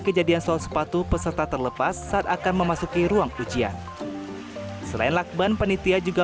kejadian soal sepatu peserta terlepas saat akan memasuki ruang ujian selain lakban penitia juga